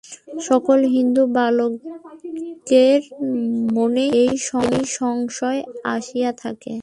সকল হিন্দু বালকের মনেই এই সংশয় আসিয়া থাকে।